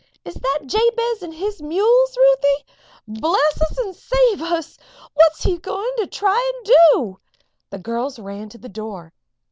Is that Jabez and his mules, Ruthie? Bless us and save us! what's he going to try and do?" The two girls ran to the door.